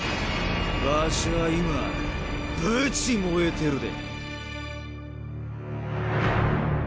ワシは今ぶち燃えてるで。